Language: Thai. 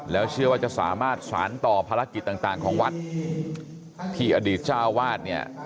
แล้วเชื่อว่าจะสามารถสารต่อภารกิจต่างของวัดที่อดีตเจ้าวาดเนี่ย